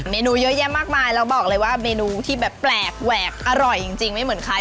เนื้อเยอะแยะมากมายแล้วบอกเลยว่าเมนูที่แบบแปลกแหวกอร่อยจริงไม่เหมือนใคร